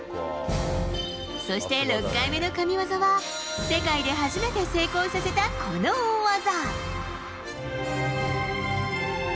そして６回目の神技は、世界で初めて成功させたこの大技。